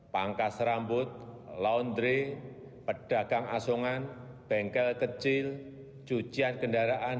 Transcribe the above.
pangkas rambut laundry pedagang asongan bengkel kecil cucian kendaraan